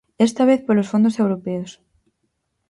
Esta vez polos fondos europeos.